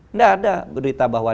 tidak ada berita bahwa